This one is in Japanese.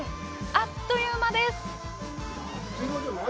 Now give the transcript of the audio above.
あっという間です。